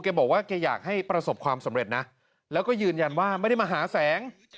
บอกว่าแกอยากให้ประสบความสำเร็จนะแล้วก็ยืนยันว่าไม่ได้มาหาแสง